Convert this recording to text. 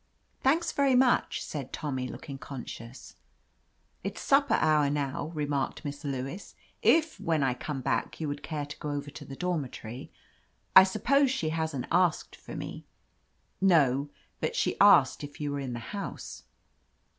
"Thanks, very much," said Tommy, looking conscious. "It's supper hour now,'* remarked Miss Lewis. "If, when I come back, you would care to go over to the dormitory —" "I suppose she hasn't asked for me ?" "No. But she asked if you were in the house."